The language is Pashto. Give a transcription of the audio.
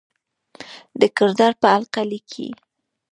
د کردار پۀ حقله ليکي: